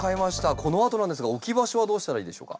このあとなんですが置き場所はどうしたらいいでしょうか？